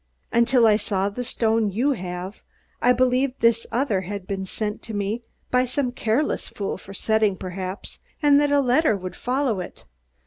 Until I saw the stone you have I believed this other had been sent to me by some careless fool for setting, perhaps, and that a letter would follow it.